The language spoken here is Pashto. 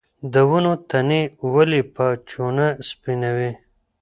د ونو تنې ولې په چونه سپینوي؟